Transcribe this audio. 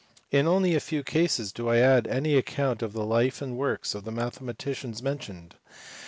In only a few cases do I add any account of the life and works of the mathematicians men tioned.